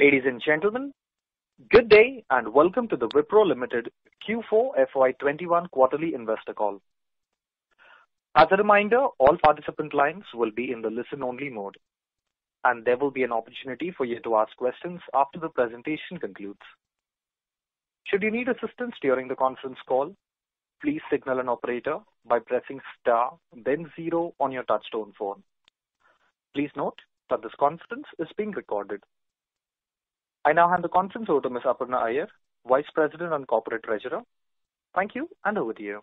Ladies and gentlemen, good day. Welcome to the Wipro Limited Q4 FY 2021 quarterly investor call. As a reminder, all participant lines will be in the listen-only mode. There will be an opportunity for you to ask questions after the presentation concludes. Should you need assistance during the conference call, please signal an operator by pressing star then zero on your touchtone phone. Please note that this conference is being recorded. I now hand the conference over to Ms. Aparna Iyer, Vice President and Corporate Treasurer. Thank you. Over to you.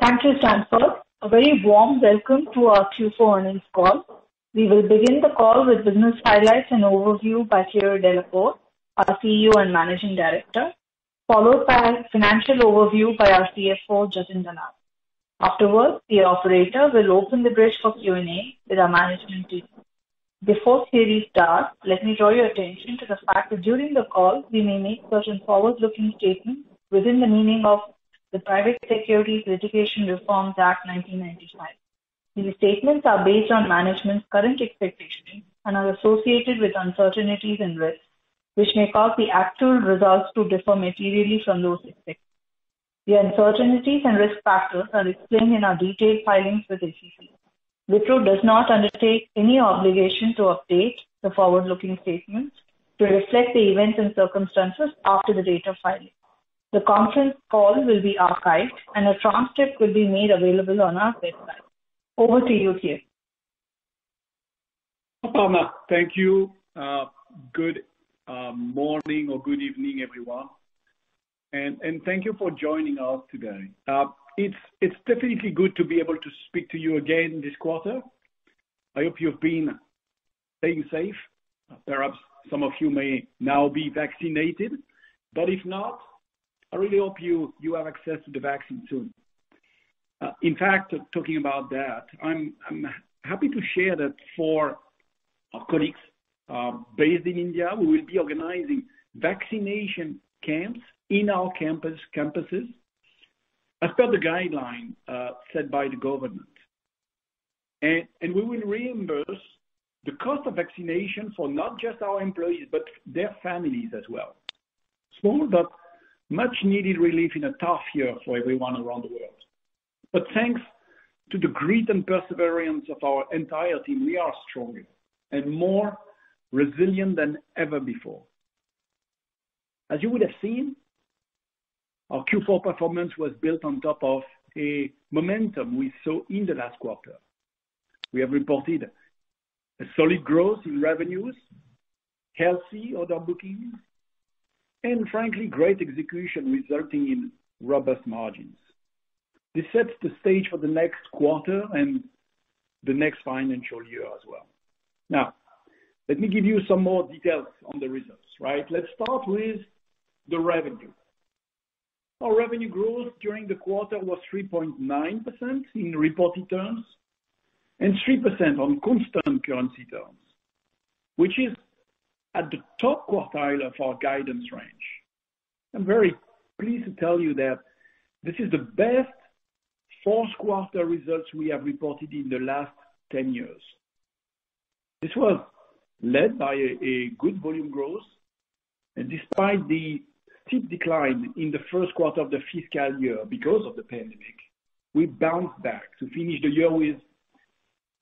Thank you, Stanford. A very warm welcome to our Q4 earnings call. We will begin the call with business highlights and overview by Thierry Delaporte, our CEO and Managing Director, followed by financial overview by our CFO, Jatin Dalal. Afterwards, the operator will open the bridge for Q&A with our management team. Before Thierry starts, let me draw your attention to the fact that during the call, we may make certain forward-looking statements within the meaning of the Private Securities Litigation Reform Act of 1995. These statements are based on management's current expectations and are associated with uncertainties and risks, which may cause the actual results to differ materially from those expected. The uncertainties and risk factors are explained in our detailed filings with the SEC. Wipro does not undertake any obligation to update the forward-looking statements to reflect the events and circumstances after the date of filing. The conference call will be archived, and a transcript will be made available on our website. Over to you, Thierry. Aparna, thank you. Good morning or good evening, everyone. Thank you for joining us today. It's definitely good to be able to speak to you again this quarter. I hope you've been staying safe. Perhaps some of you may now be vaccinated, but if not, I really hope you have access to the vaccine soon. In fact, talking about that, I'm happy to share that for our colleagues based in India, we will be organizing vaccination camps in our campuses as per the guideline set by the government. We will reimburse the cost of vaccination for not just our employees, but their families as well. Small but much needed relief in a tough year for everyone around the world. Thanks to the grit and perseverance of our entire team, we are stronger and more resilient than ever before. As you would have seen, our Q4 performance was built on top of a momentum we saw in the last quarter. We have reported a solid growth in revenues, healthy order bookings, and frankly, great execution resulting in robust margins. This sets the stage for the next quarter and the next financial year as well. Now, let me give you some more details on the results. Let's start with the revenue. Our revenue growth during the quarter was 3.9% in reported terms and 3% on constant currency terms, which is at the top quartile of our guidance range. I'm very pleased to tell you that this is the best fourth quarter results we have reported in the last 10 years. This was led by a good volume growth. Despite the steep decline in the first quarter of the fiscal year because of the pandemic, we bounced back to finish the year with,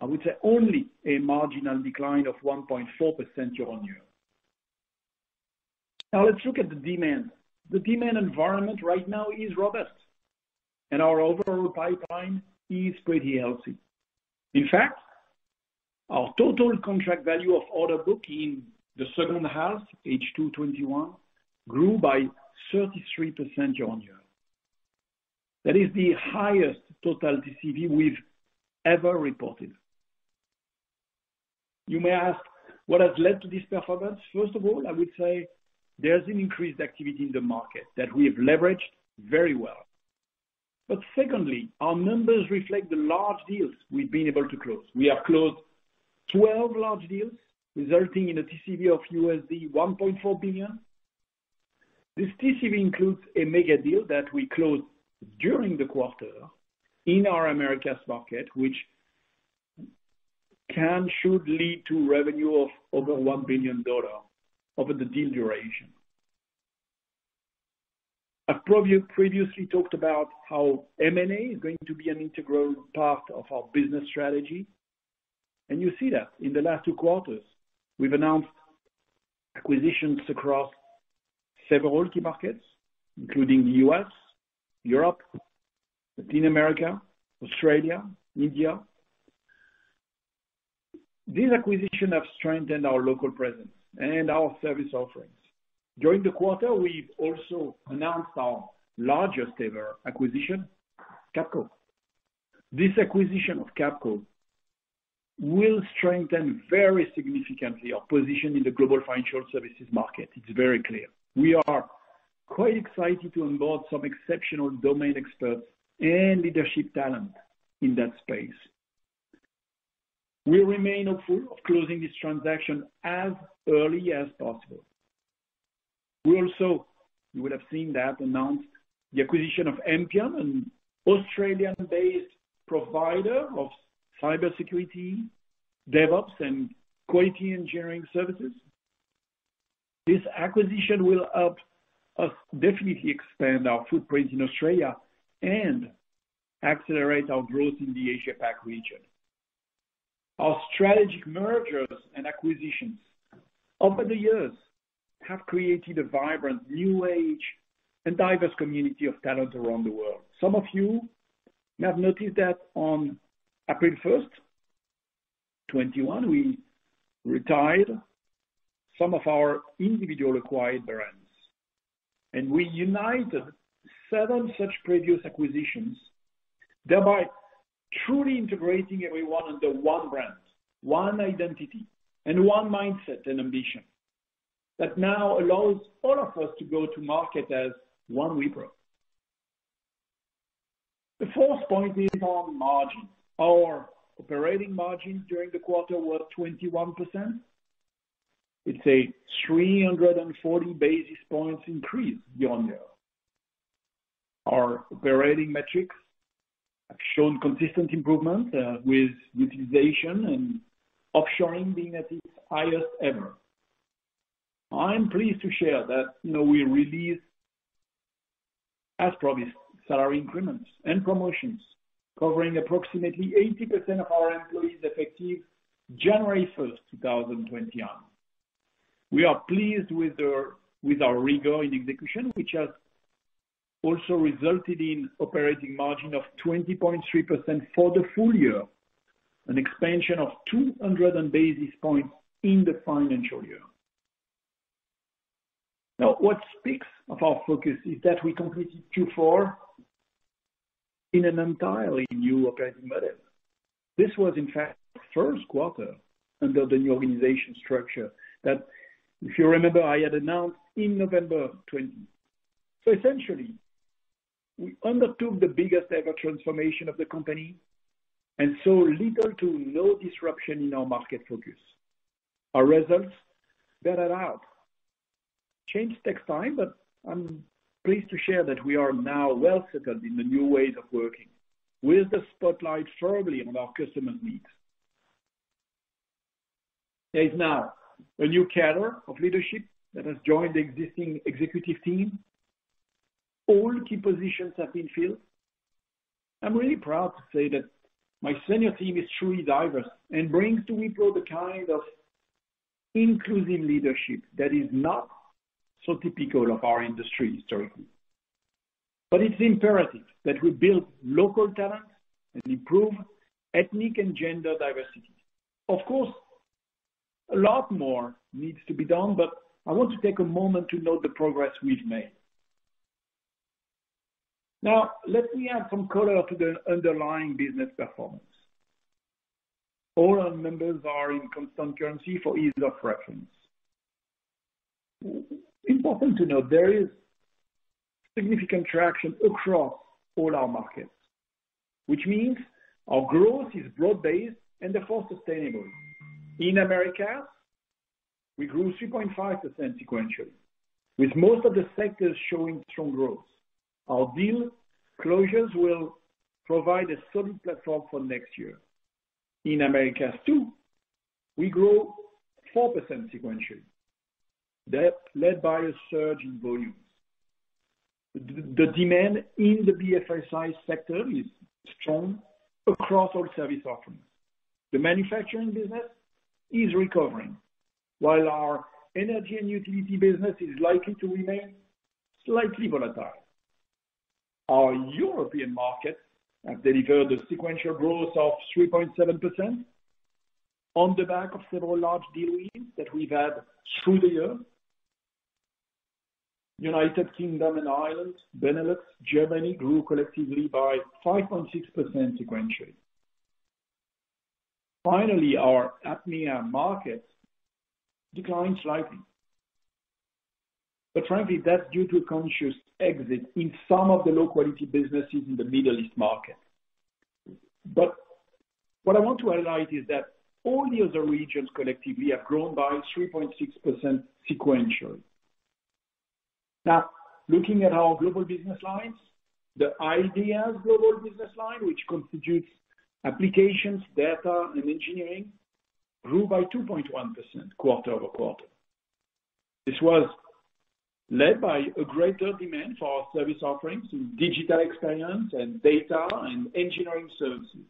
I would say, only a marginal decline of 1.4% year-on-year. Let's look at the demand. The demand environment right now is robust, and our overall pipeline is pretty healthy. In fact, our total contract value of order book in the second half, H2 2021, grew by 33% year-on-year. That is the highest total TCV we've ever reported. You may ask what has led to this performance. First of all, I would say there's an increased activity in the market that we have leveraged very well. Secondly, our numbers reflect the large deals we've been able to close. We have closed 12 large deals resulting in a TCV of $1.4 billion. This TCV includes a mega deal that we closed during the quarter in our Americas market, which should lead to revenue of over $1 billion over the deal duration. I've previously talked about how M&A is going to be an integral part of our business strategy. You see that in the last two quarters. We've announced acquisitions across several key markets, including the U.S., Europe, Latin America, Australia, India. These acquisition have strengthened our local presence and our service offerings. During the quarter, we've also announced our largest ever acquisition, Capco. This acquisition of Capco will strengthen very significantly our position in the global financial services market. It's very clear. We are quite excited to onboard some exceptional domain experts and leadership talent in that space. We remain hopeful of closing this transaction as early as possible. We also, you would have seen that announced the acquisition of Ampion, an Australian-based provider of cybersecurity, DevOps, and quality engineering services. This acquisition will help us definitely expand our footprint in Australia and accelerate our growth in the Asia Pac region. Our strategic mergers and acquisitions over the years have created a vibrant new age and diverse community of talent around the world. Some of you have noticed that on April 1st, 2021, we retired some of our individual acquired brands, and we united seven such previous acquisitions, thereby truly integrating everyone under one brand, one identity, and one mindset and ambition that now allows all of us to go to market as OneWipro. The fourth point is on margin. Our operating margin during the quarter was 21%. It's a 340 basis points increase year-on-year. Our operating metrics have shown consistent improvement, with utilization and offshoring being at its highest ever. I'm pleased to share that we released, as promised, salary increments and promotions covering approximately 80% of our employees effective January 1st, 2021. We are pleased with our rigor in execution, which has also resulted in operating margin of 20.3% for the full year, an expansion of 200 basis points in the financial year. What speaks of our focus is that we completed Q4 in an entirely new operating model. This was, in fact, the first quarter under the new organization structure that, if you remember, I had announced in November 2020. Essentially, we undertook the biggest ever transformation of the company and saw little to no disruption in our market focus. Our results bear it out. Change takes time, but I'm pleased to share that we are now well settled in the new ways of working with the spotlight firmly on our customer needs. There is now a new cadre of leadership that has joined the existing executive team. All key positions have been filled. I'm really proud to say that my senior team is truly diverse and brings to Wipro the kind of inclusive leadership that is not so typical of our industry historically. It's imperative that we build local talent and improve ethnic and gender diversity. Of course, a lot more needs to be done, but I want to take a moment to note the progress we've made. Now, let me add some color to the underlying business performance. All our numbers are in constant currency for ease of reference. Important to note, there is significant traction across all our markets. Which means our growth is broad-based and, therefore, sustainable. In Americas, we grew 3.5% sequentially, with most of the sectors showing strong growth. Our deal closures will provide a solid platform for next year. In Americas 2, we grew 4% sequentially. That led by a surge in volumes. The demand in the BFSI sector is strong across all service offerings. The manufacturing business is recovering, while our energy and utility business is likely to remain slightly volatile. Our European market has delivered a sequential growth of 3.7% on the back of several large deal wins that we've had through the year. United Kingdom and Ireland, Benelux, Germany grew collectively by 5.6% sequentially. Our APMEA markets declined slightly. Frankly, that's due to a conscious exit in some of the low-quality businesses in the Middle East market. What I want to highlight is that all the other regions collectively have grown by 3.6% sequentially. Looking at our global business lines, the IDEAS global business line, which constitutes applications, data, and engineering, grew by 2.1% quarter-over-quarter. This was led by a greater demand for our service offerings in digital experience and data and engineering services.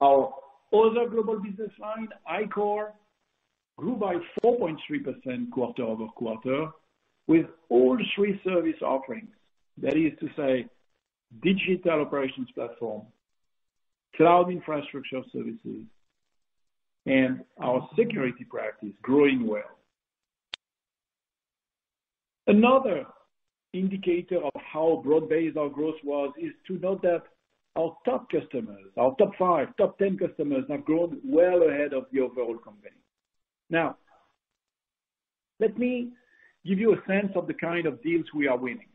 Our other global business line, iCORE, grew by 4.3% quarter-over-quarter with all three service offerings. That is to say digital operations platform, cloud infrastructure services, and our security practice growing well. Another indicator of how broad-based our growth was is to note that our top customers, our top five, top 10 customers, have grown well ahead of the overall company. Let me give you a sense of the kind of deals we are winning.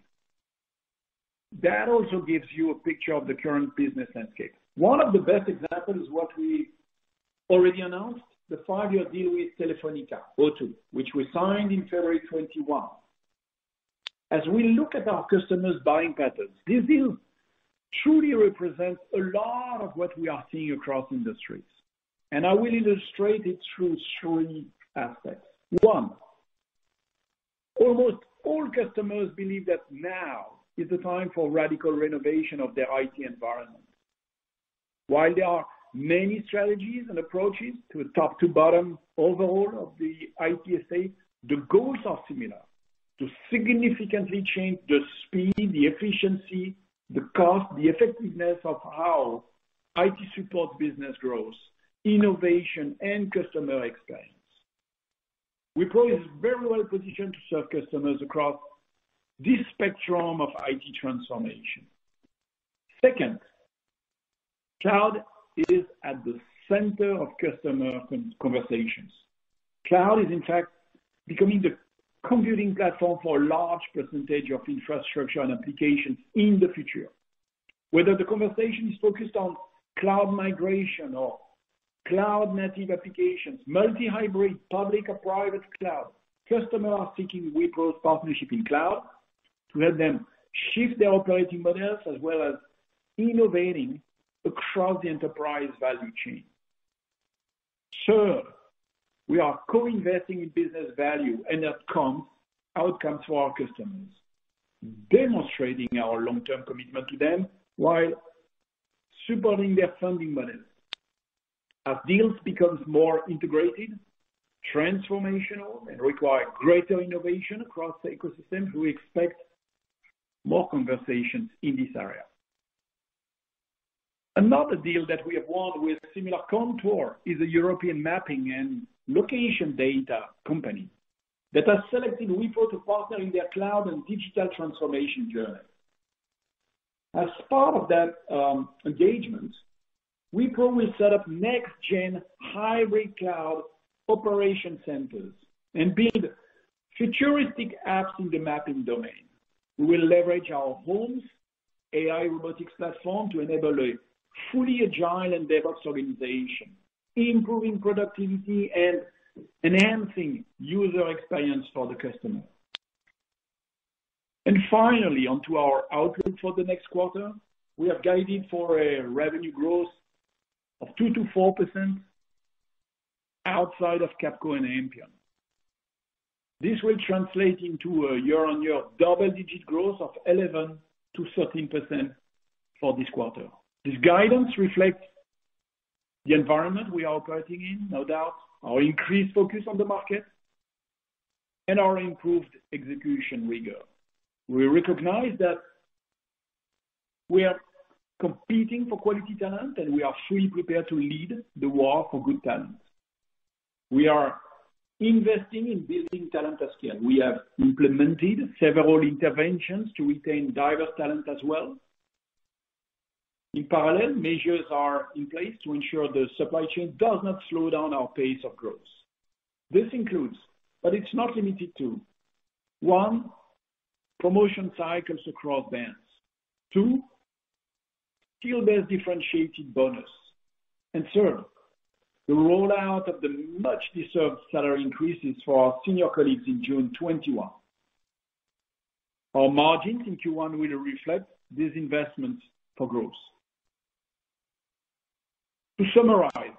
That also gives you a picture of the current business landscape. One of the best examples is what we already announced, the five-year deal with Telefónica O2, which we signed in February 2021. As we look at our customers' buying patterns, this deal truly represents a lot of what we are seeing across industries, and I will illustrate it through three aspects. One, almost all customers believe that now is the time for radical renovation of their IT environment. While there are many strategies and approaches to a top-to-bottom overhaul of the IT estate, the goals are similar. To significantly change the speed, the efficiency, the cost, the effectiveness of how IT supports business growth, innovation, and customer experience. Wipro is very well-positioned to serve customers across this spectrum of IT transformation. Second, cloud is at the center of customer conversations. Cloud is, in fact, becoming the computing platform for a large percentage of infrastructure and applications in the future. Whether the conversation is focused on cloud migration or cloud-native applications, multi-hybrid, public or private cloud, customers are seeking Wipro's partnership in cloud to help them shift their operating models as well as innovating across the enterprise value chain. Third, we are co-investing in business value and outcomes for our customers, demonstrating our long-term commitment to them while supporting their funding models. As deals becomes more integrated, transformational, and require greater innovation across the ecosystem, we expect more conversations in this area. Another deal that we have won with similar contour is a European mapping and location data company that has selected Wipro to partner in their cloud and digital transformation journey. As part of that engagement, Wipro will set up next-gen hybrid cloud operation centers and build futuristic apps in the mapping domain. We will leverage our HOLMES AI robotics platform to enable a fully agile and DevOps organization, improving productivity and enhancing user experience for the customer. Finally, onto our outlook for the next quarter. We have guided for a revenue growth of 2%-4% outside of Capco and Ampion. This will translate into a year-on-year double-digit growth of 11%-13% for this quarter. This guidance reflects the environment we are operating in, no doubt, our increased focus on the market, and our improved execution rigor. We recognize that we are competing for quality talent, and we are fully prepared to lead the war for good talent. We are investing in building talent at scale. We have implemented several interventions to retain diverse talent as well. In parallel, measures are in place to ensure the supply chain does not slow down our pace of growth. This includes, but it's not limited to, one, promotion cycles across bands. two, field-based differentiated bonus. Third, the rollout of the much-deserved salary increases for our senior colleagues in June 2021. Our margins in Q1 will reflect these investments for growth. To summarize,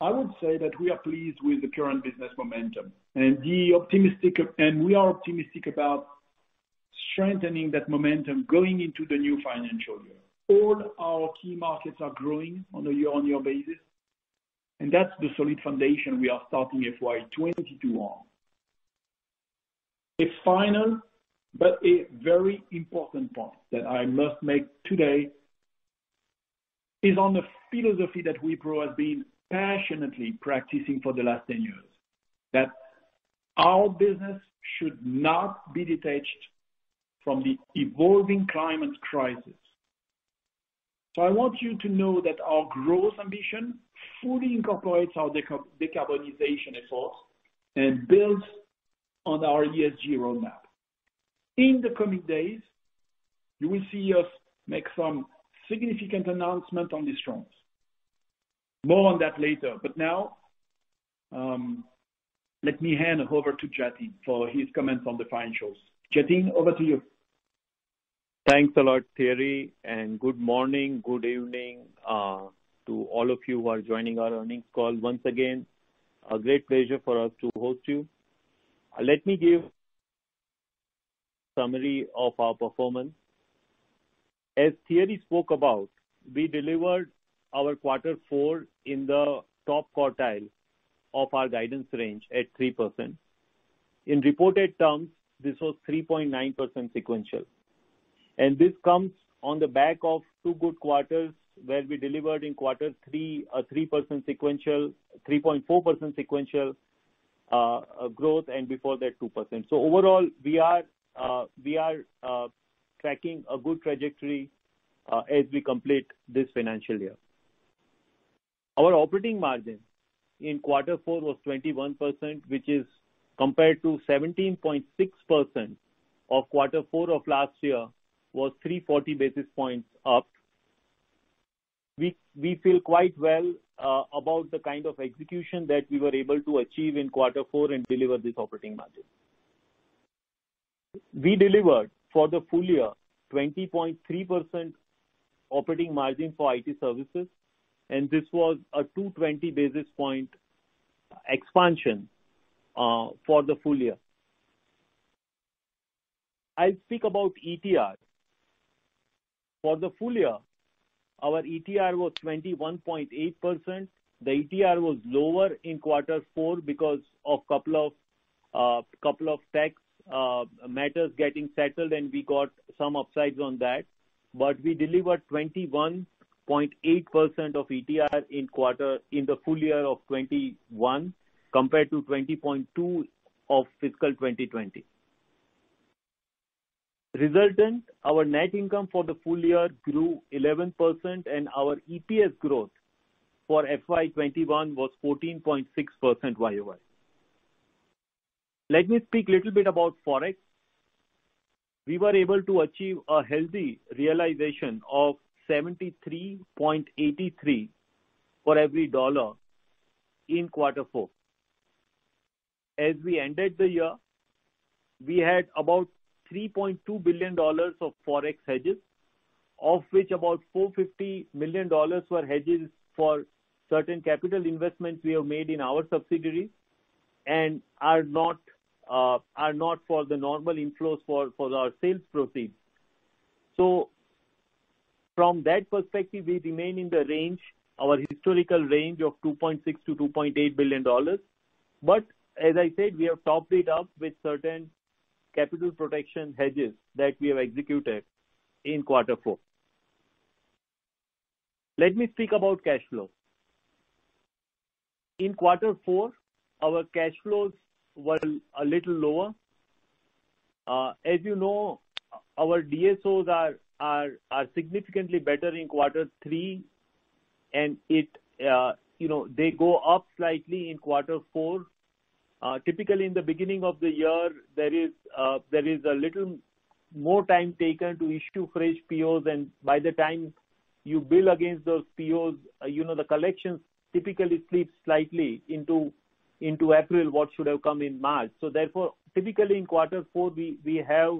I would say that we are pleased with the current business momentum, and we are optimistic about strengthening that momentum going into the new financial year. All our key markets are growing on a year-on-year basis, and that's the solid foundation we are starting FY 2022 on. A final but a very important point that I must make today is on the philosophy that Wipro has been passionately practicing for the last 10 years, that our business should not be detached from the evolving climate crisis. I want you to know that our growth ambition fully incorporates our decarbonization efforts and builds on our ESG roadmap. In the coming days, you will see us make some significant announcement on these fronts. More on that later, let me hand over to Jatin for his comments on the financials. Jatin, over to you. Thanks a lot, Thierry, good morning, good evening, to all of you who are joining our earnings call. Once again, a great pleasure for us to host you. Let me give summary of our performance. As Thierry spoke about, we delivered our quarter four in the top quartile of our guidance range at 3%. In reported terms, this was 3.9% sequential. This comes on the back of two good quarters where we delivered in quarter three a 3.4% sequential growth and before that, 2%. Overall, we are tracking a good trajectory as we complete this financial year. Our operating margin in quarter four was 21%, which is compared to 17.6% of quarter four of last year, was 340 basis points up. We feel quite well about the kind of execution that we were able to achieve in quarter four and deliver this operating margin. We delivered for the full year 20.3% operating margin for IT services, and this was a 220 basis point expansion for the full year. I'll speak about ETR. For the full year, our ETR was 21.8%. The ETR was lower in quarter four because of couple of tax matters getting settled, and we got some upsides on that. We delivered 21.8% of ETR in the full year of 2021, compared to 20.2% of fiscal 2020. Resultant, our net income for the full year grew 11%, and our EPS growth for FY 2021 was 14.6% YOY. Let me speak a little bit about Forex. We were able to achieve a healthy realization of $73.83 for every dollar in quarter four. As we ended the year, we had about $3.2 billion of Forex hedges, of which about $450 million were hedges for certain capital investments we have made in our subsidiaries and are not for the normal inflows for our sales proceeds. From that perspective, we remain in the range, our historical range of $2.6 billion-$2.8 billion. As I said, we have topped it up with certain capital protection hedges that we have executed in quarter four. Let me speak about cash flow. In quarter four, our cash flows were a little lower. As you know, our DSOs are significantly better in quarter three and they go up slightly in quarter four. Typically, in the beginning of the year, there is a little more time taken to issue fresh POs, and by the time you bill against those POs, the collections typically slip slightly into April, what should have come in March. Therefore, typically in quarter four, we have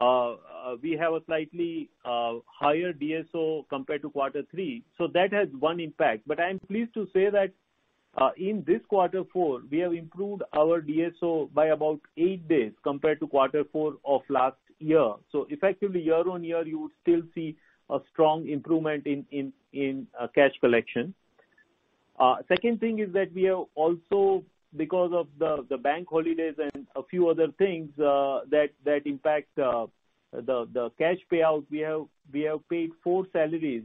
a slightly higher DSO compared to quarter three. That has one impact. I'm pleased to say that in this quarter four, we have improved our DSO by about eight days compared to quarter four of last year. Effectively year-on-year, you would still see a strong improvement in cash collection. Second thing is that we have also, because of the bank holidays and a few other things that impact the cash payouts, we have paid four salaries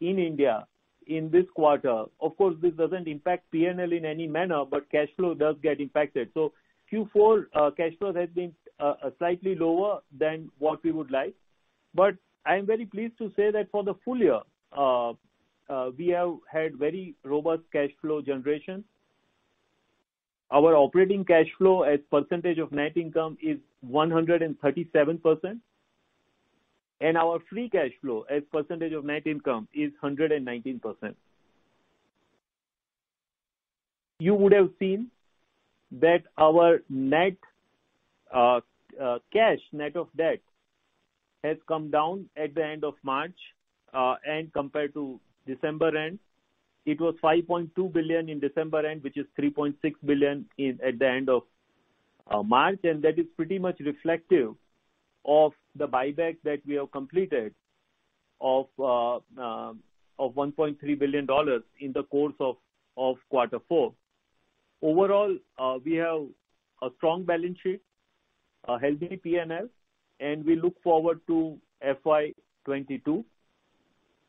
in India in this quarter. Of course, this doesn't impact P&L in any manner, but cash flow does get impacted. Q4 cash flow has been slightly lower than what we would like. I'm very pleased to say that for the full year, we have had very robust cash flow generation. Our operating cash flow as percentage of net income is 137%, and our free cash flow as percentage of net income is 119%. You would have seen that our net cash, net of debt, has come down at the end of March. Compared to December end, it was $5.2 billion in December end, which is $3.6 billion at the end of March, and that is pretty much reflective of the buyback that we have completed of $1.3 billion in the course of quarter four. Overall, we have a strong balance sheet, a healthy P&L, and we look forward to FY 2022.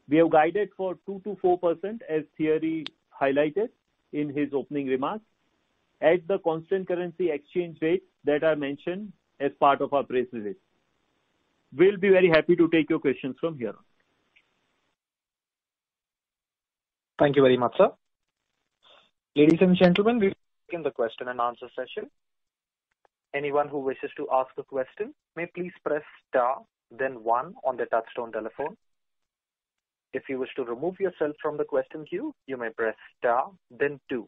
We have guided for 2%-4%, as Thierry highlighted in his opening remarks, at the constant currency exchange rates that are mentioned as part of our press release. We'll be very happy to take your questions from here. Thank you very much, sir. Ladies and gentlemen, we begin the question and answer session. Anyone who wishes to ask a question may please press star then one on their touch-tone telephone. If you wish to remove yourself from the question queue, you may press star then two.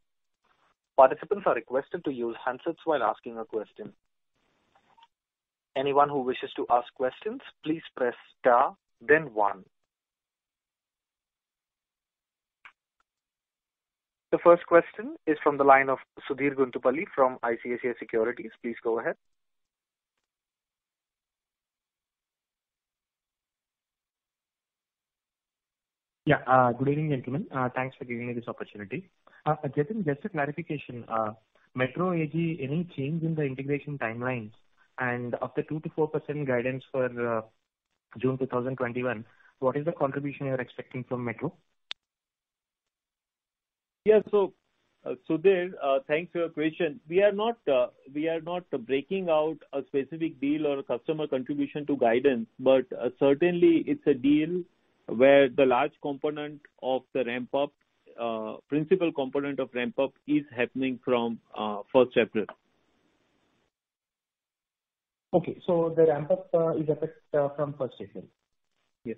Participants are requested to use handsets while asking a question. Anyone who wishes to ask questions, please press star then one. The first question is from the line of Sudheer Guntupalli from ICICI Securities. Please go ahead. Yeah. Good evening, gentlemen. Thanks for giving me this opportunity. Jatin, just a clarification. Metro AG, any change in the integration timelines and of the 2%-4% guidance for June 2021, what is the contribution you're expecting from Metro? Sudheer, thanks for your question. We are not breaking out a specific deal or a customer contribution to guidance. Certainly it's a deal where the principal component of ramp-up is happening from 1st April. Okay, the ramp-up is effective from 1st April? Yes.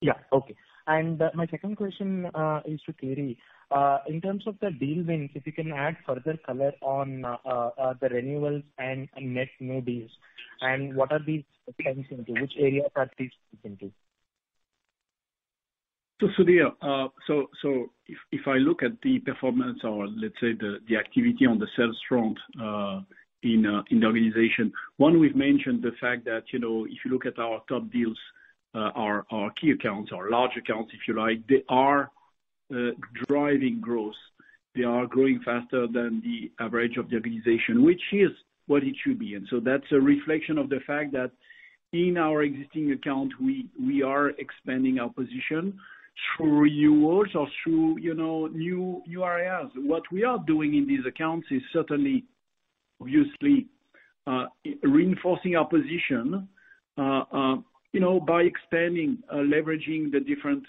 Yeah. Okay. My second question is to Thierry. In terms of the deal wins, if you can add further color on the renewals and net new deals, and what are these trends into, which areas are these looking to? Sudheer, if I look at the performance or let's say the activity on the sales front in the organization, one, we've mentioned the fact that if you look at our top deals, our key accounts, our large accounts, if you like, they are driving growth. They are growing faster than the average of the organization, which is what it should be. That's a reflection of the fact that in our existing account, we are expanding our position through renewals or through new URAs. What we are doing in these accounts is certainly obviously reinforcing our position by expanding, leveraging the different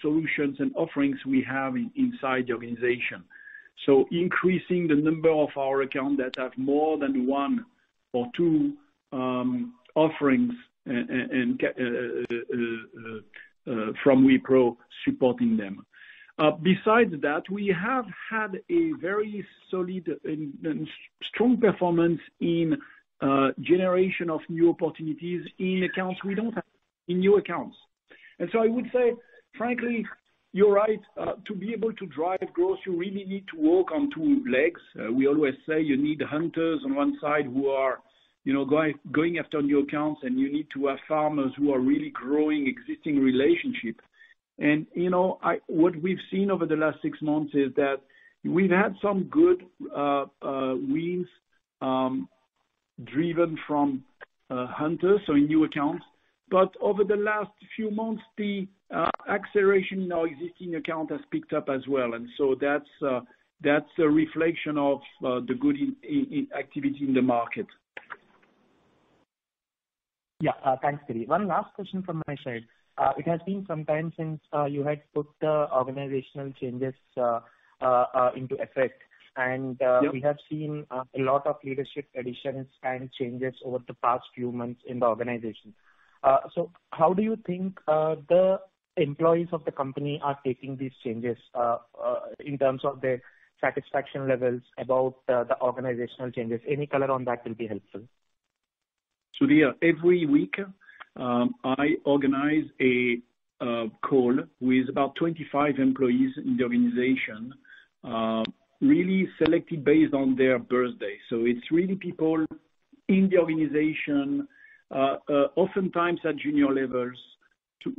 solutions and offerings we have inside the organization. Increasing the number of our account that have more than one or two offerings from Wipro supporting them. Besides that, we have had a very solid and strong performance in generation of new opportunities in accounts we don't have, in new accounts. I would say, frankly, you're right, to be able to drive growth, you really need to walk on two legs. We always say you need hunters on one side who are going after new accounts, and you need to have farmers who are really growing existing relationships. What we've seen over the last six months is that we've had some good wins driven from hunters, so in new accounts. Over the last few months, the acceleration in our existing account has picked up as well. That's a reflection of the good activity in the market. Yeah. Thanks, Thierry. One last question from my side. It has been some time since you had put the organizational changes into effect. Yeah. We have seen a lot of leadership additions and changes over the past few months in the organization. How do you think the employees of the company are taking these changes, in terms of their satisfaction levels about the organizational changes? Any color on that will be helpful. Sudheer, every week, I organize a call with about 25 employees in the organization, really selected based on their birthday. It's really people in the organization, oftentimes at junior levels, to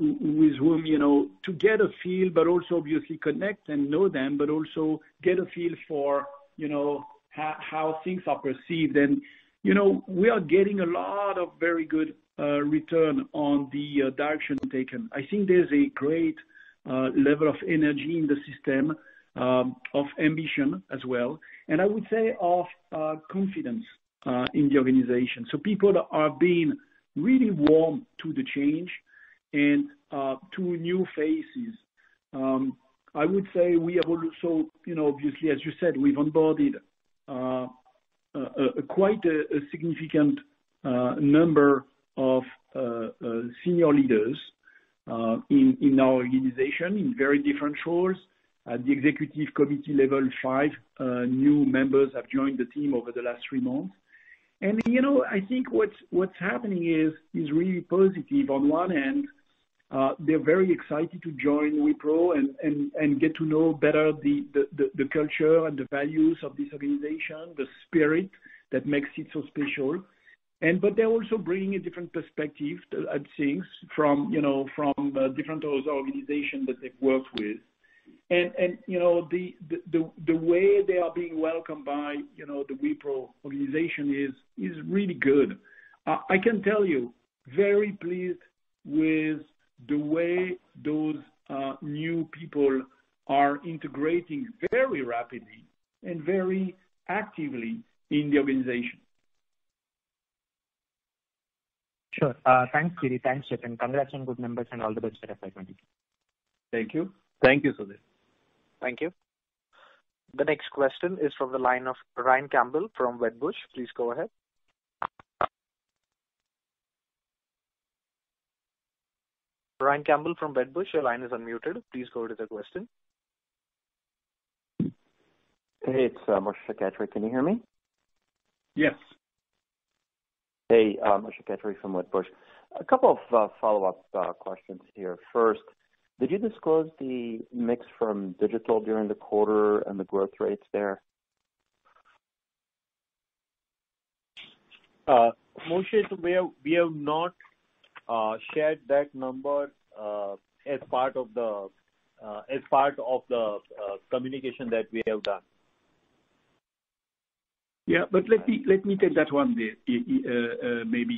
get a feel, but also obviously connect and know them, but also get a feel for how things are perceived. We are getting a lot of very good return on the direction taken. I think there's a great level of energy in the system, of ambition as well, and I would say of confidence in the organization. People are being really warm to the change and to new faces. I would say we have also, obviously, as you said, we've onboarded quite a significant number of senior leaders in our organization in very different roles. At the executive committee level, five new members have joined the team over the last three months. I think what's happening is really positive. On one hand, they're very excited to join Wipro and get to know better the culture and the values of this organization, the spirit that makes it so special. They're also bringing a different perspective at things from different organizations that they've worked with. The way they are being welcomed by the Wipro organization is really good. I can tell you, very pleased with the way those new people are integrating very rapidly and very actively in the organization. Sure. Thanks, Thierry. Thanks, Jatin. Congratulations on good numbers, and all the best for the financial year. Thank you. Thank you, Sudheer. Thank you. The next question is from the line of Ryan Campbell from Wedbush. Please go ahead. Ryan Campbell from Wedbush, your line is unmuted. Please go with the question. Hey, it's Moshe Katri. Can you hear me? Yes. Hey, Moshe Katri from Wedbush. A couple of follow-up questions here. First, did you disclose the mix from digital during the quarter and the growth rates there? Moshe, We have not shared that number as part of the communication that we have done. Let me take that one maybe.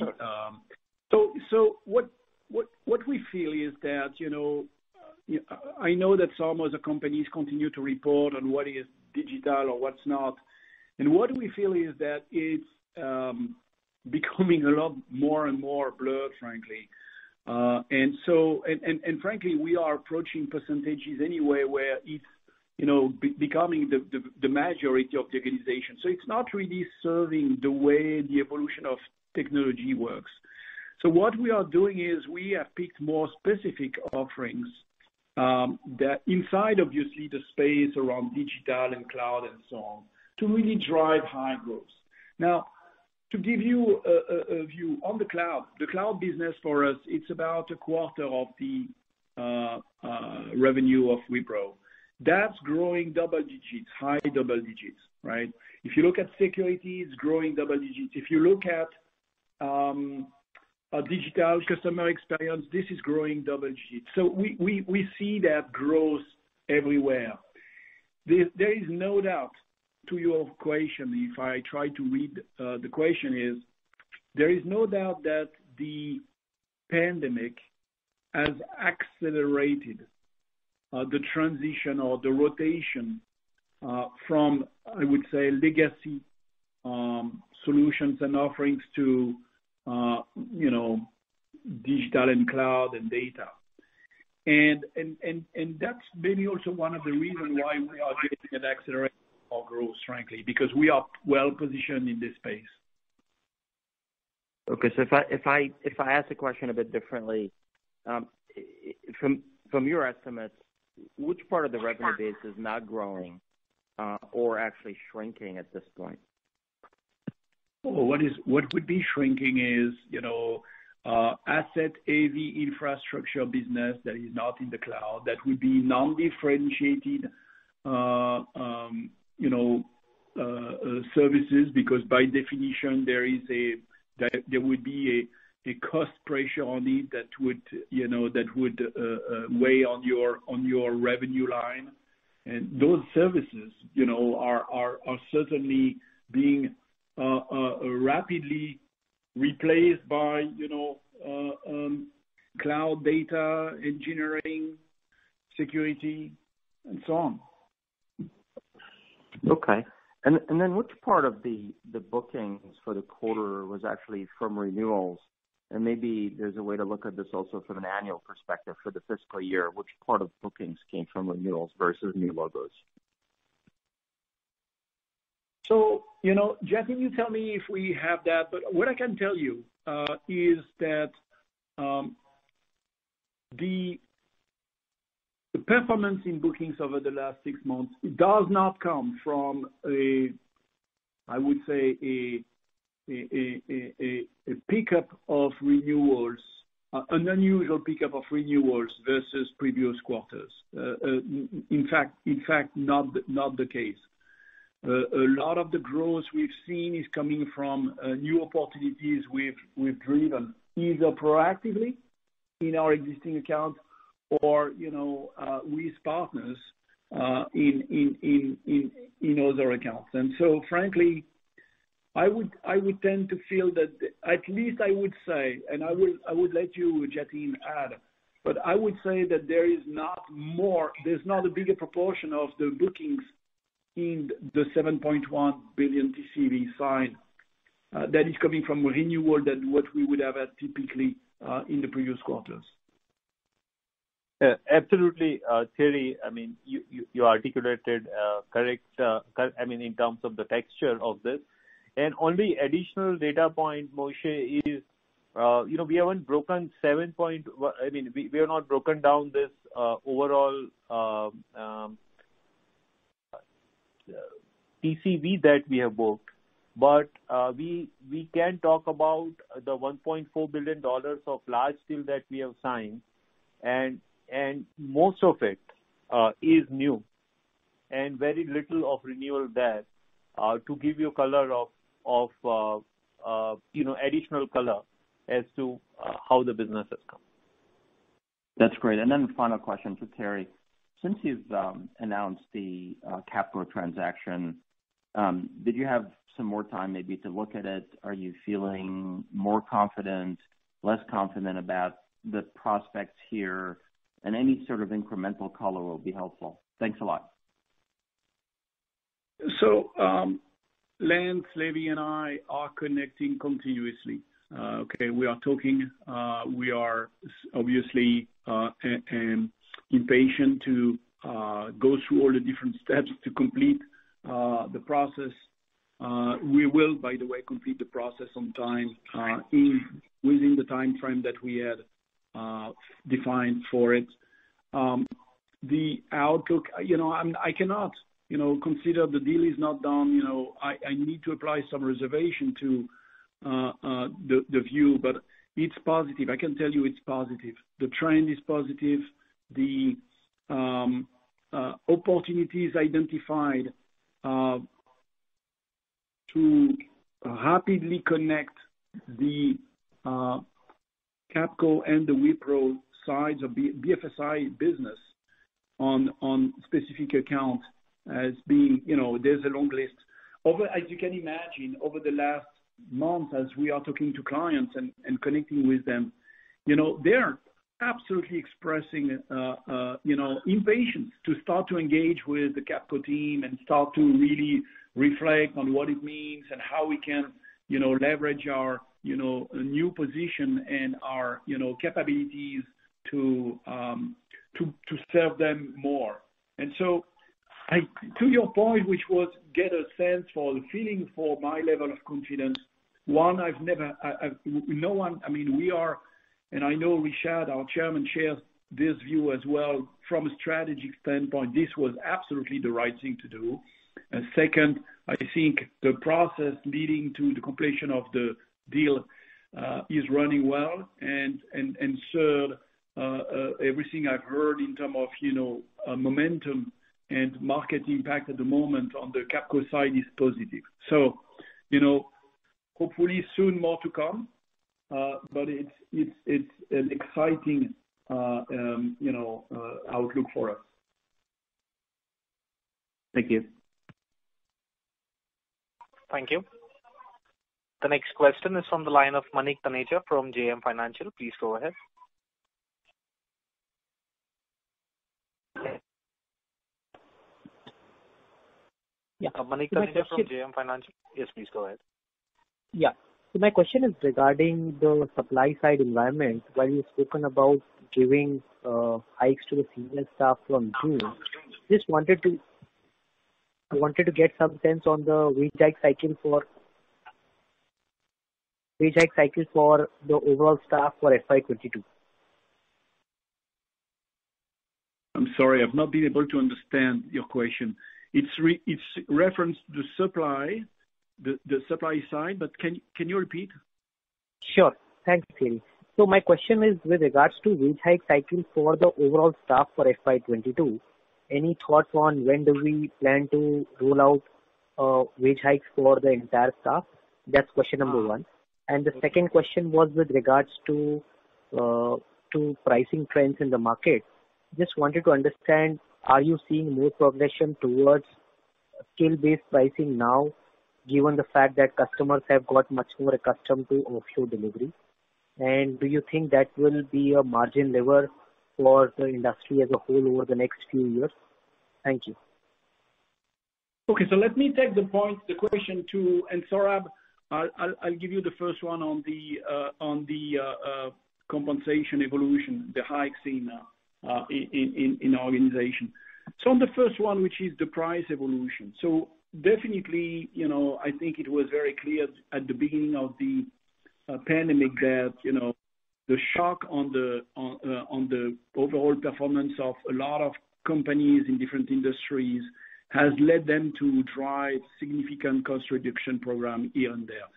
What we feel is that, I know that some other companies continue to report on what is digital or what's not. What we feel is that it's becoming a lot more and more blurred, frankly. Frankly, we are approaching percentages anyway where it's becoming the majority of the organization. It's not really serving the way the evolution of technology works. What we are doing is we have picked more specific offerings, that inside obviously the space around digital and cloud and so on, to really drive high growth. To give you a view on the cloud. The cloud business for us, it's about a quarter of the revenue of Wipro. That's growing double digits, high double digits, right? If you look at security, it's growing double digits. If you look at digital customer experience, this is growing double digits. We see that growth everywhere. There is no doubt to your question, if I try to read the question is, there is no doubt that the pandemic has accelerated the transition or the rotation from, I would say, legacy solutions and offerings to digital and cloud and data. That's maybe also one of the reasons why we are getting an acceleration of growth, frankly, because we are well-positioned in this space. Okay. If I ask the question a bit differently. From your estimates, which part of the revenue base is not growing or actually shrinking at this point? What would be shrinking is asset-heavy infrastructure business that is not in the cloud, that would be non-differentiated services. By definition, there would be a cost pressure on it that would weigh on your revenue line. Those services are certainly being rapidly replaced by cloud data engineering, security, and so on. Okay. Then which part of the bookings for the quarter was actually from renewals? Maybe there's a way to look at this also from an annual perspective for the fiscal year, which part of bookings came from renewals versus new logos? Jatin, you tell me if we have that. What I can tell you is that the performance in bookings over the last six months does not come from, I would say, an unusual pickup of renewals versus previous quarters. In fact, not the case. A lot of the growth we've seen is coming from new opportunities we've driven, either proactively in our existing accounts or with partners in other accounts. Frankly, I would tend to feel that at least I would say, and I would let you, Jatin, add. I would say that there is not a bigger proportion of the bookings in the $7.1 billion TCV signed that is coming from renewal than what we would have had typically in the previous quarters. Absolutely, Thierry. You articulated correct in terms of the texture of this. Only additional data point, Moshe, is We have not broken down this overall TCV that we have booked. We can talk about the $1.4 billion of large deals that we have signed, and most of it is new, and very little of renewal there, to give you additional color as to how the business has come. That's great. Final question for Thierry. Since you've announced the Capco transaction, did you have some more time maybe to look at it? Are you feeling more confident, less confident about the prospects here? Any sort of incremental color will be helpful. Thanks a lot. Lance Levy, and I are connecting continuously. Okay. We are talking. We are obviously impatient to go through all the different steps to complete the process. We will, by the way, complete the process on time within the timeframe that we had defined for it. The outlook, I cannot consider the deal is not done. I need to apply some reservation to the view, but it's positive. I can tell you it's positive. The trend is positive. The opportunities identified to rapidly connect the Capco and the Wipro sides of the BFSI business on specific accounts as being, there's a long list. As you can imagine, over the last month, as we are talking to clients and connecting with them, they're absolutely expressing impatience to start to engage with the Capco team and start to really reflect on what it means and how we can leverage our new position and our capabilities to serve them more. To your point, which was get a sense or the feeling for my level of confidence, one, No one, we are, and I know Rishad, our chairman, shares this view as well. From a strategic standpoint, this was absolutely the right thing to do. Second, I think the process leading to the completion of the deal is running well. Third, everything I've heard in terms of momentum and market impact at the moment on the Capco side is positive. Hopefully, soon more to come. It's an exciting outlook for us. Thank you. Thank you. The next question is on the line of Manik Taneja from JM Financial. Please go ahead. Yeah. Manik Taneja from JM Financial? Yes, please go ahead. My question is regarding the supply side environment. While you've spoken about giving hikes to the senior staff from June, I wanted to get some sense on the wage hike cycle for the overall staff for FY 2022. I'm sorry, I've not been able to understand your question. It's referenced the supply side, but can you repeat? Sure. Thanks, Thierry. My question is with regards to wage hike cycles for the overall staff for FY 2022. Any thoughts on when do we plan to roll out wage hikes for the entire staff? That's question number one. The second question was with regards to pricing trends in the market. Just wanted to understand, are you seeing more progression towards skill-based pricing now, given the fact that customers have got much more accustomed to offshore delivery? Do you think that will be a margin lever for the industry as a whole over the next few years? Thank you. Okay. Let me take the question to. Saurabh, I'll give you the first one on the compensation evolution, the hike seen in our organization. On the first one, which is the price evolution. Definitely, I think it was very clear at the beginning of the pandemic that the shock on the overall performance of a lot of companies in different industries has led them to drive significant cost reduction program here and there.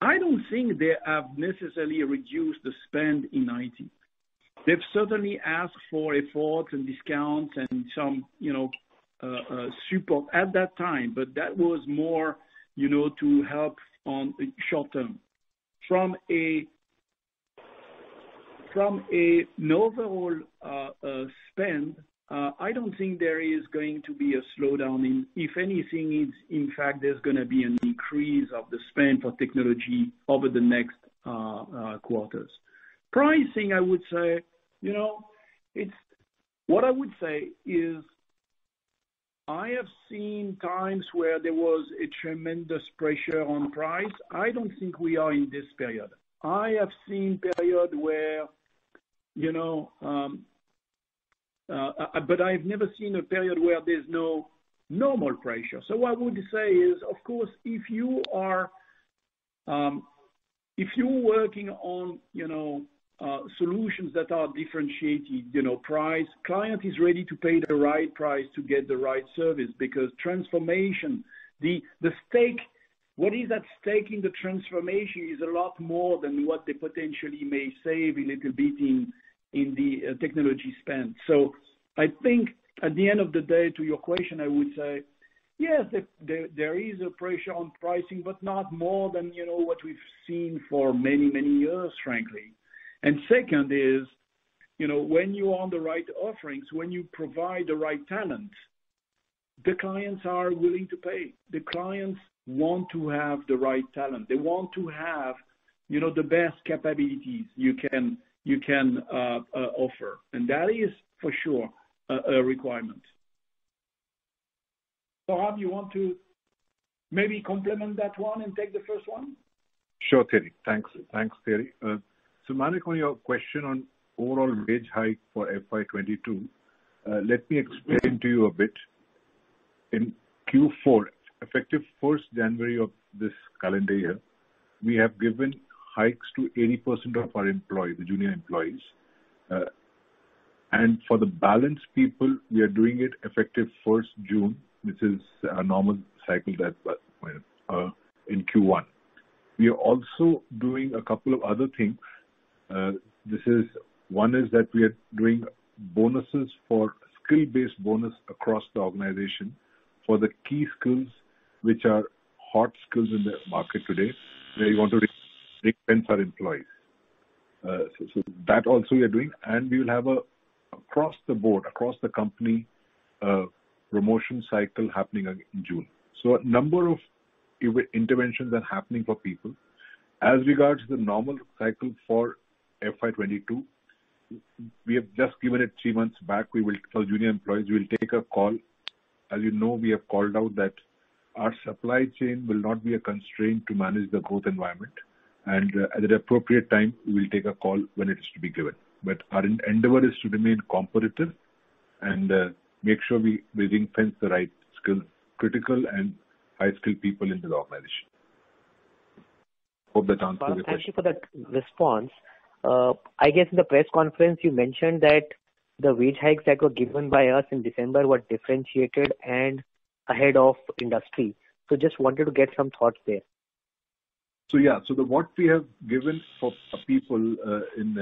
I don't think they have necessarily reduced the spend in IT. They've certainly asked for a forth and discount and some support at that time, but that was more to help on short-term. From an overall spend, I don't think there is going to be a slowdown in. If anything, in fact, there's going to be a decrease of the spend for technology over the next quarters. Pricing, I would say, what I would say is I have seen times where there was a tremendous pressure on price. I don't think we are in this period. I have seen period where I've never seen a period where there's no normal pressure. What I would say is, of course, if you're working on solutions that are differentiated price, client is ready to pay the right price to get the right service, because transformation, what is at stake in the transformation is a lot more than what they potentially may save a little bit in the technology spend. I think at the end of the day, to your question, I would say, yes, there is a pressure on pricing, but not more than what we've seen for many, many years, frankly. Second is, when you're on the right offerings, when you provide the right talent, the clients are willing to pay. The clients want to have the right talent. They want to have the best capabilities you can offer. That is for sure a requirement. Saurabh, you want to maybe complement that one and take the first one? Sure, Thierry. Thanks, Thierry. Manik, on your question on overall wage hike for FY 2022, let me explain to you a bit. In Q4, effective first January of this calendar year, we have given hikes to 80% of our employee, the junior employees. For the balance people, we are doing it effective 1st June, which is a normal cycle that was in Q1. We are also doing a couple of other things. One is that we are doing bonuses for skill-based bonus across the organization. For the key skills which are hot skills in the market today, where you want to retain our employees. That also we are doing, and we will have across the board, across the company, a promotion cycle happening again in June. A number of interventions are happening for people. As regards to the normal cycle for FY 2022, we have just given it three months back. We will tell junior employees we will take a call. As you know, we have called out that our supply chain will not be a constraint to manage the growth environment. At the appropriate time, we will take a call when it is to be given. Our endeavor is to remain competitive and make sure we reinforce the right skill, critical and high-skill people in the organization. Hope that answers your question. Thank you for that response. I guess in the press conference, you mentioned that the wage hikes that were given by us in December were differentiated and ahead of industry. Just wanted to get some thoughts there. Yeah. What we have given for people in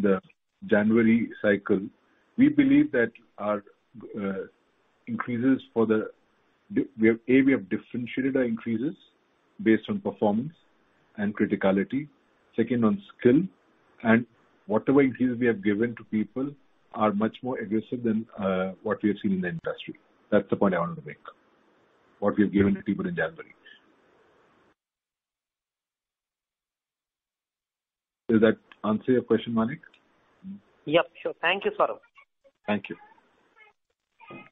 the January cycle, A, we have differentiated our increases based on performance and criticality, second on skill. Whatever increases we have given to people are much more aggressive than what we have seen in the industry. That's the point I wanted to make. What we have given to people in January. Does that answer your question, Manik? Yep, sure. Thank you, Saurabh. Thank you.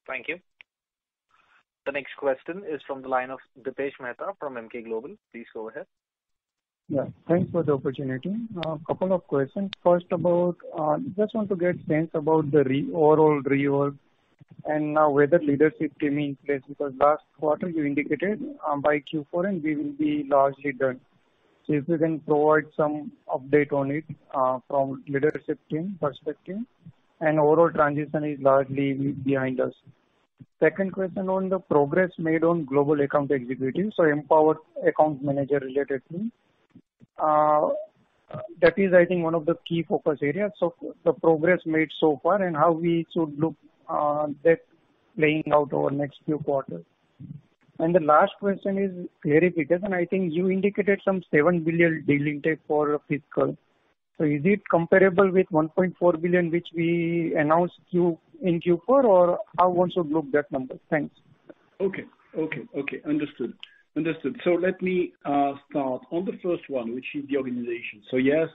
Thank you. The next question is from the line of Dipesh Mehta from Emkay Global. Please go ahead. Thanks for the opportunity. A couple of questions. First of all, just want to get sense about the overall reorg and now whether leadership came in place, because last quarter you indicated by Q4 end, we will be largely done. If you can provide some update on it from leadership team perspective and overall transition is largely behind us. Second question on the progress made on global account executives, so empowered account manager related team. That is, I think, one of the key focus areas. The progress made so far and how we should look that playing out over the next few quarters. The last question is, Thierry Delaporte, I think you indicated some $7 billion deal intake for fiscal. Is it comparable with $1.4 billion, which we announced in Q4, or how one should look that number? Thanks. Okay. Understood. Let me start on the first one, which is the organization. Yes,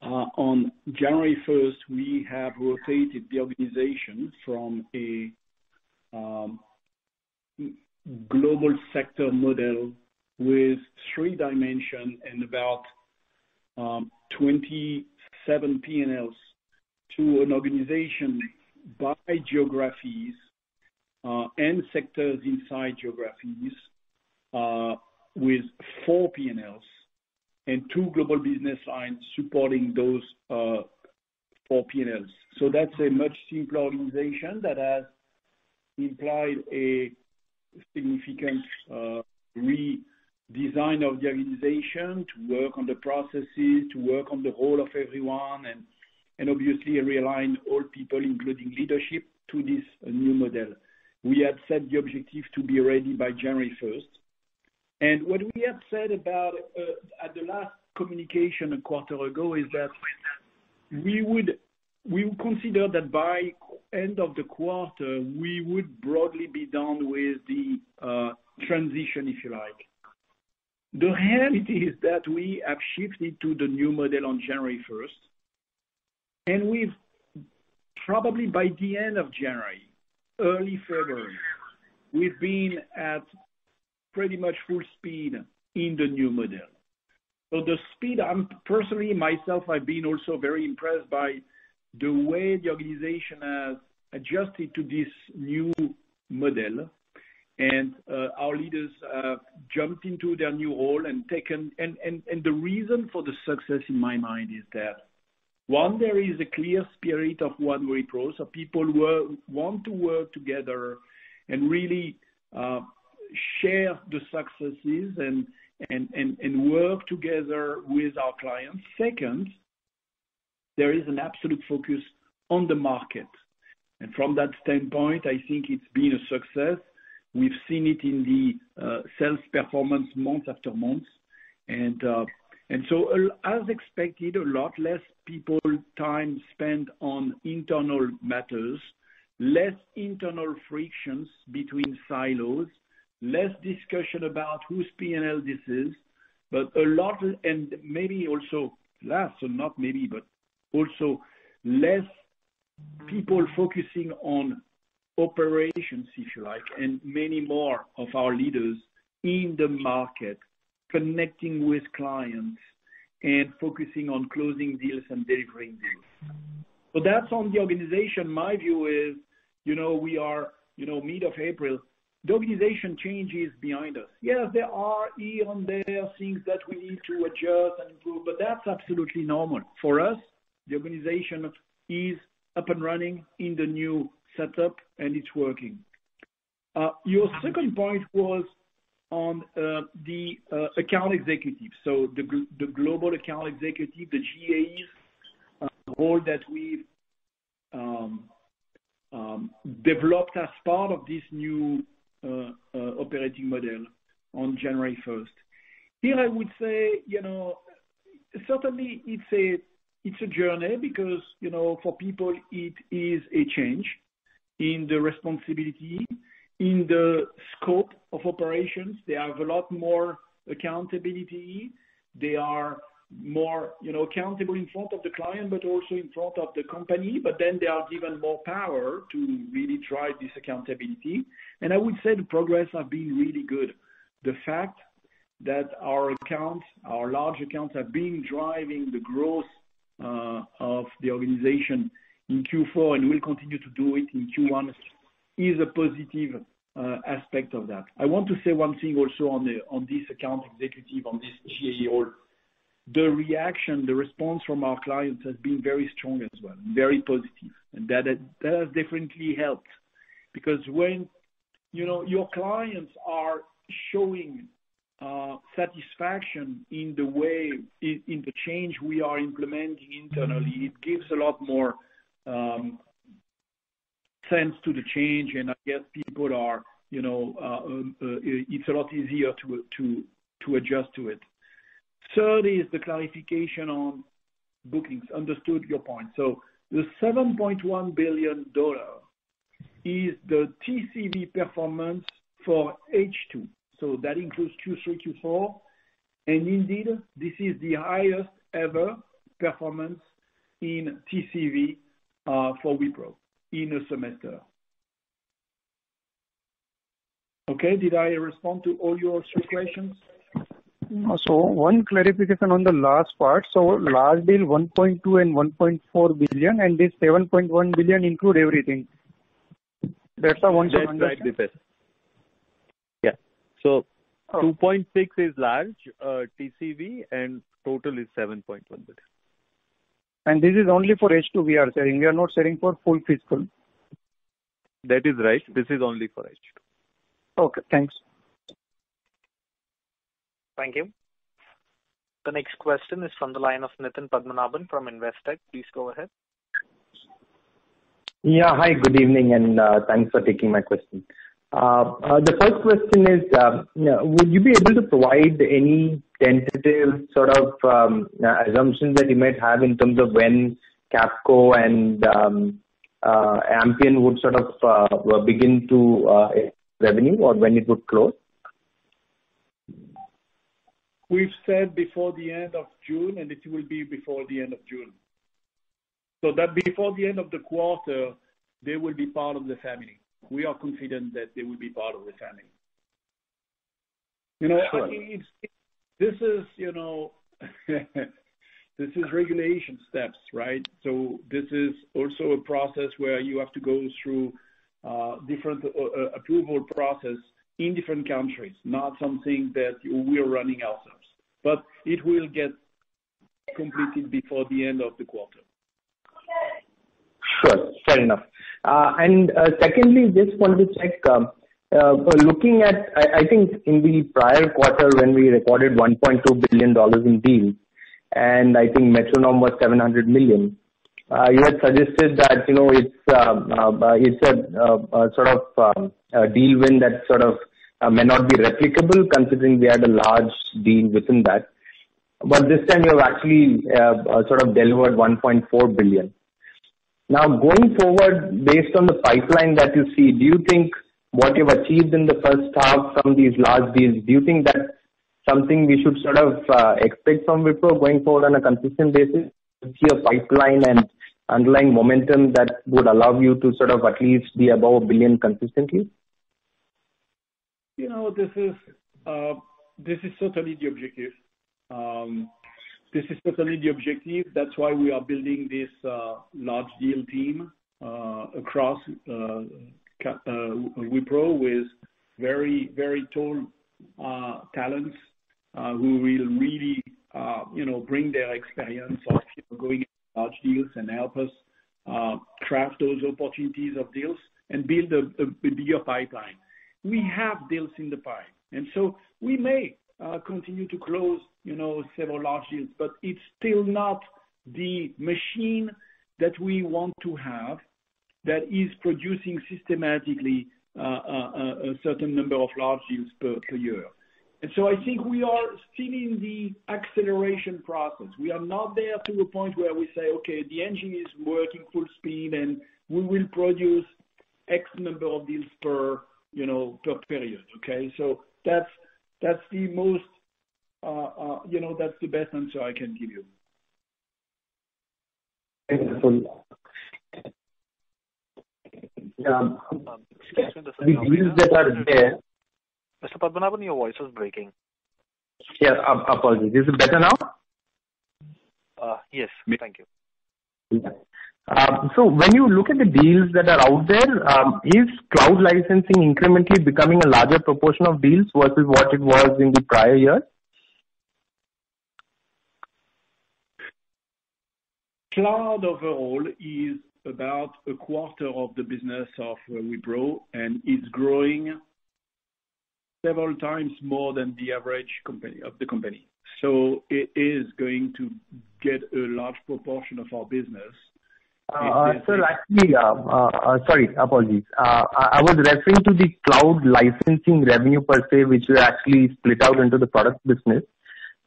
on January 1st, we have rotated the organization from a global sector model with three dimension and about 27 P&Ls to an organization by geographies, and sectors inside geographies, with four P&Ls and two global business lines supporting those four P&Ls. That's a much simpler organization that has implied a significant redesign of the organization to work on the processes, to work on the role of everyone and obviously realign all people, including leadership, to this new model. We had set the objective to be ready by January 1st. What we had said about at the last communication a quarter ago is that we would consider that by end of the quarter, we would broadly be done with the transition, if you like. The reality is that we have shifted to the new model on January 1st, and we've probably by the end of January, early February, we've been at pretty much full speed in the new model. The speed I'm personally myself, I've been also very impressed by the way the organization has adjusted to this new model. Our leaders have jumped into their new role. The reason for the success in my mind is that one, there is a clear spirit of OneWipro, so people want to work together and really share the successes and work together with our clients. Second, there is an absolute focus on the market. From that standpoint, I think it's been a success. We've seen it in the sales performance month after month. As expected, a lot less people time spent on internal matters, less internal frictions between silos, less discussion about whose P&L this is, but a lot and maybe also less or not maybe, but also less people focusing on operations, if you like, and many more of our leaders in the market connecting with clients and focusing on closing deals and delivering deals. That's on the organization. My view is, we are mid of April. The organization change is behind us. Yes, there are here and there things that we need to adjust and improve, but that's absolutely normal. For us, the organization is up and running in the new setup and it's working. Your second point was on the account executives. The global account executive, the GAEs role that we've developed as part of this new operating model on January 1st. Here, I would say, certainly it's a journey because, for people, it is a change in the responsibility, in the scope of operations. They have a lot more accountability. They are more accountable in front of the client, but also in front of the company. They are given more power to really drive this accountability. I would say the progress have been really good. The fact that our accounts, our large accounts, have been driving the growth of the organization in Q4, and will continue to do it in Q1, is a positive aspect of that. I want to say one thing also on this account executive, on this GAE role. The reaction, the response from our clients has been very strong as well, very positive. That has definitely helped. Because when your clients are showing satisfaction in the way, in the change we are implementing internally, it gives a lot more sense to the change. I guess it's a lot easier to adjust to it. Third is the clarification on bookings. Understood your point. The $7.1 billion is the TCV performance for H2. That includes Q3, Q4, and indeed, this is the highest ever performance in TCV for Wipro in a semester. Okay, did I respond to all your three questions? One clarification on the last part. Large deal, $1.2 billion and $1.4 billion, and this $7.1 billion include everything. That's I want to understand. That's right, Dipesh. Yeah. $2.6 billion is large, TCV, and total is $7.1 billion. This is only for H2, we are saying. We are not saying for full fiscal. That is right. This is only for H2. Okay, thanks. Thank you. The next question is from the line of Nitin Padmanabhan from Investec. Please go ahead. Hi, good evening, and thanks for taking my question. The first question is would you be able to provide any tentative sort of assumptions that you might have in terms of when Capco and Ampion would sort of begin to revenue or when it would close? We've said before the end of June, and it will be before the end of June. That before the end of the quarter, they will be part of the family. We are confident that they will be part of the family. This is regulation steps, right? This is also a process where you have to go through different approval process in different countries, not something that we're running ourselves. It will get completed before the end of the quarter. Sure. Fair enough. Secondly, just wanted to check, looking at, I think in the prior quarter, when we recorded $1.2 billion in deals, and I think METRO-NOM was $700 million. You had suggested that it's a sort of a deal win that sort of may not be replicable considering we had a large deal within that. This time you have actually sort of delivered $1.4 billion. Going forward, based on the pipeline that you see, do you think what you've achieved in the first half from these large deals, do you think that's something we should sort of expect from Wipro going forward on a consistent basis? Do you see a pipeline and underlying momentum that would allow you to sort of at least be above $1 billion consistently? This is totally the objective. That's why we are building this large deal team across Wipro with very tall talents who will really bring their experience of going large deals and help us craft those opportunities of deals and build a bigger pipeline. We have deals in the pipe, we may continue to close several large deals, but it's still not the machine that we want to have that is producing systematically a certain number of large deals per year. I think we are still in the acceleration process. We are not there to a point where we say, "Okay, the engine is working full speed, and we will produce X number of deals per period." Okay? That's the best answer I can give you. Thank you. Excuse me one second. The deals that are there- Mr. Padmanabhan, your voice is breaking. Yeah. Apologies. Is it better now? Yes. Thank you. When you look at the deals that are out there, is cloud licensing incrementally becoming a larger proportion of deals versus what it was in the prior years? Cloud overall is about a quarter of the business of Wipro, and it's growing several times more than the average of the company. It is going to get a large proportion of our business. Sorry, apologies. I was referring to the cloud licensing revenue per se, which is actually split out into the product business.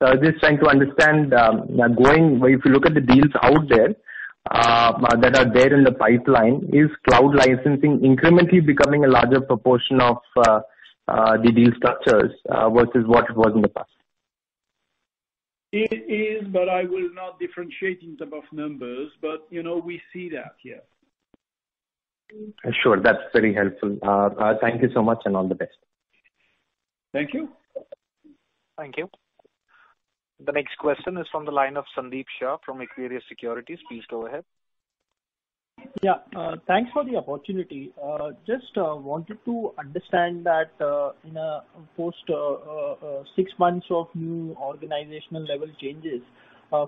I'm just trying to understand, if you look at the deals out there, that are there in the pipeline, is cloud licensing incrementally becoming a larger proportion of the deal structures versus what it was in the past? It is, but I will not differentiate in terms of numbers. We see that, yes. Sure. That's very helpful. Thank you so much, and all the best. Thank you. Thank you. The next question is from the line of Sandeep Shah from Equirus Securities. Please go ahead. Yeah. Thanks for the opportunity. Just wanted to understand that, in a post six months of new organizational-level changes,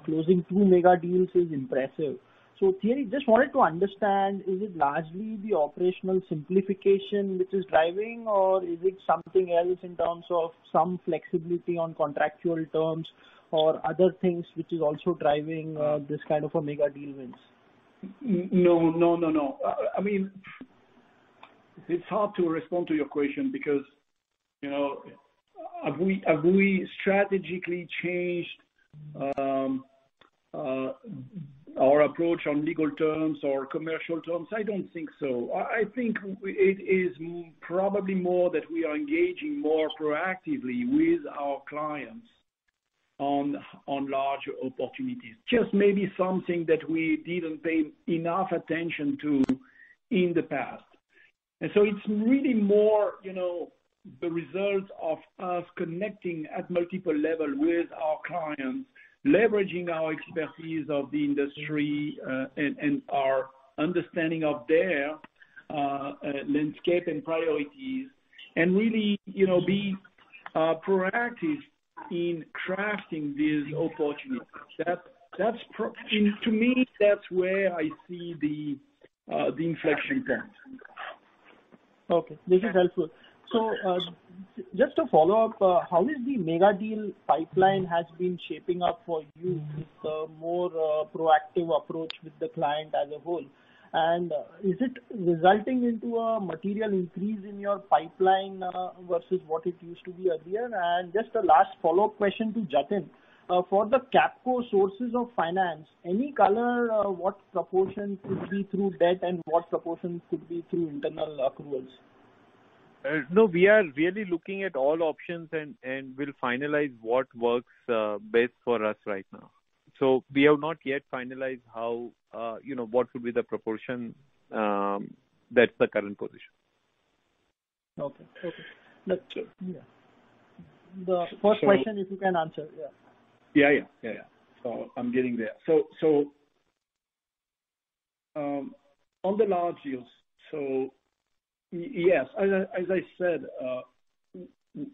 closing two mega deals is impressive. Thierry, just wanted to understand, is it largely the operational simplification which is driving, or is it something else in terms of some flexibility on contractual terms or other things, which is also driving this kind of a mega deal wins? No. It's hard to respond to your question because, have we strategically changed our approach on legal terms or commercial terms? I don't think so. I think it is probably more that we are engaging more proactively with our clients on large opportunities. Just maybe something that we didn't pay enough attention to in the past. It's really more the result of us connecting at multiple level with our clients, leveraging our expertise of the industry, and our understanding of their landscape and priorities and really be proactive in crafting these opportunities. To me, that's where I see the inflection turn. Okay. This is helpful. Just a follow-up. How is the mega deal pipeline has been shaping up for you with a more proactive approach with the client as a whole? Is it resulting into a material increase in your pipeline, versus what it used to be earlier? Just a last follow-up question to Jatin. For the Capco sources of finance, any color, what proportion could be through debt and what proportion could be through internal accruals? No, we are really looking at all options and we'll finalize what works best for us right now. We have not yet finalized what would be the proportion. That's the current position. Okay. The first question, if you can answer, yeah. Yeah. I'm getting there. On the large deals, yes, as I said,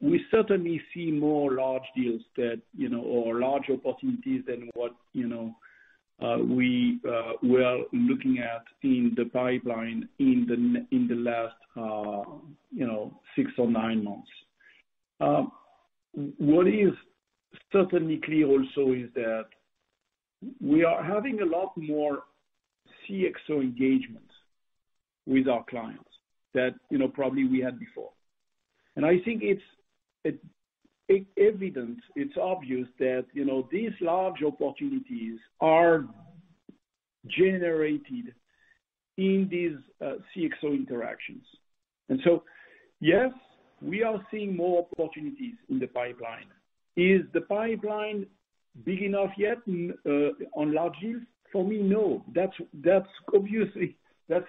we certainly see more large deals or large opportunities than what we were looking at in the pipeline in the last six or nine months. What is certainly clear also is that we are having a lot more CxO engagements with our clients than probably we had before. I think it's evident, it's obvious that these large opportunities are generated in these CxO interactions. Yes, we are seeing more opportunities in the pipeline. Is the pipeline big enough yet on large deals? For me, no. That's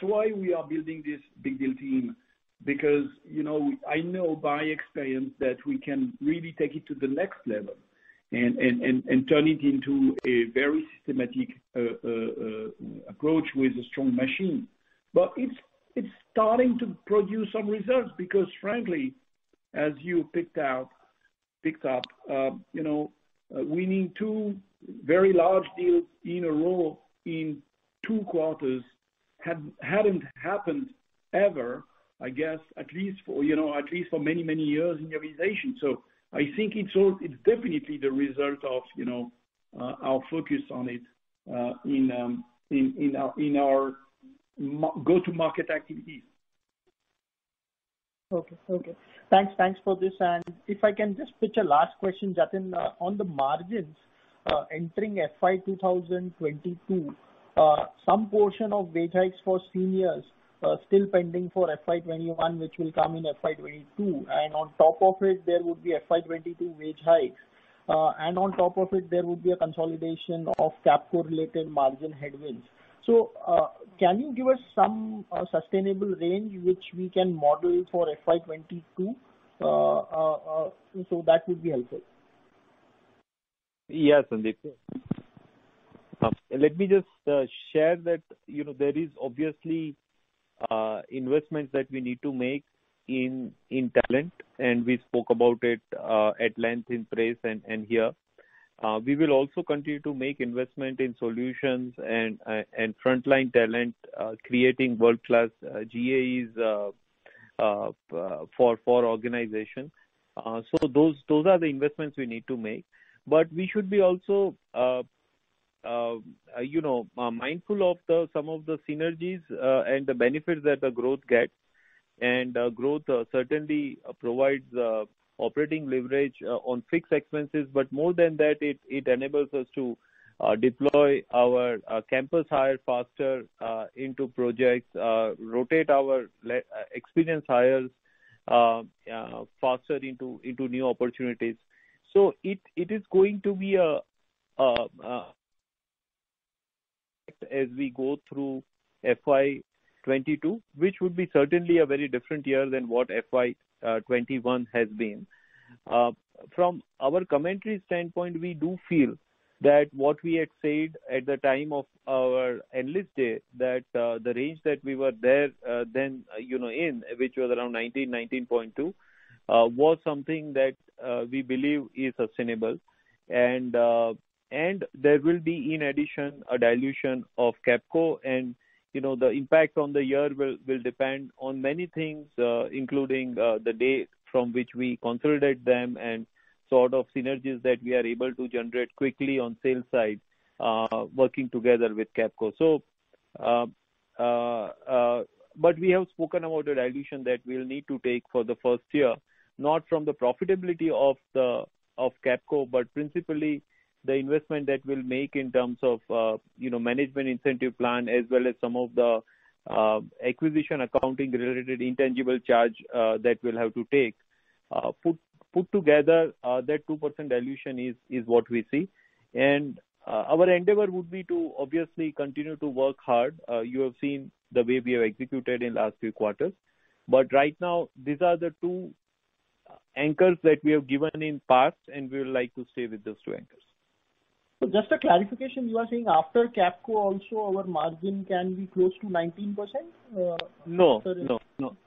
why we are building this big deal team, because I know by experience that we can really take it to the next level and turn it into a very systematic approach with a strong machine. It's starting to produce some results because frankly, as you picked up, winning two very large deals in a row in two quarters hadn't happened ever, I guess, at least for many, many years in the organization. I think it's definitely the result of our focus on it in our go-to market activities. Okay. Thanks for this. If I can just pitch a last question, Jatin. On the margins, entering FY 2022, some portion of wage hikes for seniors are still pending for FY 2021, which will come in FY 2022. On top of it, there would be FY 2022 wage hikes. On top of it, there would be a consolidation of Capco-related margin headwinds. Can you give us some sustainable range which we can model for FY 2022? That would be helpful. Yeah, Sandeep. Let me just share that there is obviously investments that we need to make in talent, and we spoke about it at length in press and here. We will also continue to make investment in solutions and frontline talent, creating world-class GAs for organization. Those are the investments we need to make. We should be also mindful of some of the synergies and the benefits that the growth gets. Growth certainly provides operating leverage on fixed expenses. More than that, it enables us to deploy our campus hire faster into projects, rotate our experienced hires faster into new opportunities. It is going to be a as we go through FY 2022, which would be certainly a very different year than what FY 2021 has been. From our commentary standpoint, we do feel that what we had said at the time of our analyst day, that the range that we were then in, which was around 19%, 19.2%, was something that we believe is sustainable. There will be, in addition, a dilution of Capco. The impact on the year will depend on many things, including the date from which we consolidate them and sort of synergies that we are able to generate quickly on sales side, working together with Capco. We have spoken about the dilution that we'll need to take for the first year, not from the profitability of Capco, but principally the investment that we'll make in terms of management incentive plan, as well as some of the acquisition accounting-related intangible charge that we'll have to take. Put together, that 2% dilution is what we see. Our endeavor would be to obviously continue to work hard. You have seen the way we have executed in last few quarters. Right now, these are the two anchors that we have given in past, and we would like to stay with those two anchors. Just a clarification, you are saying after Capco also, our margin can be close to 19%? No,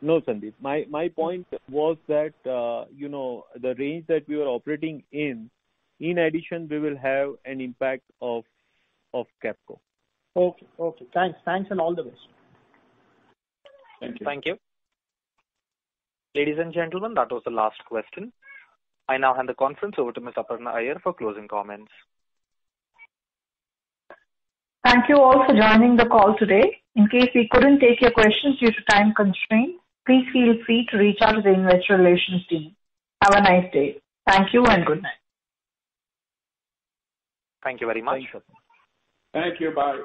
Sandeep. My point was that the range that we are operating in addition, we will have an impact of Capco. Okay. Thanks, and all the best. Thank you. Thank you. Ladies and gentlemen, that was the last question. I now hand the conference over to Ms. Aparna Iyer for closing comments. Thank you all for joining the call today. In case we couldn't take your questions due to time constraint, please feel free to reach out to the investor relations team. Have a nice day. Thank you and good night. Thank you very much. Thank you. Bye.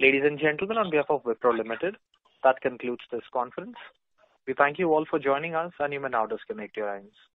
Ladies and gentlemen, on behalf of Wipro Limited, that concludes this conference. We thank you all for joining us, and you may now disconnect your lines.